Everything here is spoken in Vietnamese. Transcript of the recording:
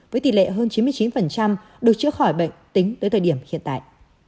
với tỷ lệ hơn chín mươi chín được chữa khỏi bệnh tính tới thời điểm hiện tại